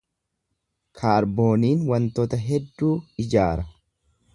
Kaarbooniin wantoota hedduu ijaara.